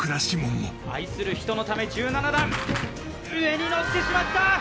士門も愛する人のため１７段上に乗ってしまった！